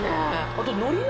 あと。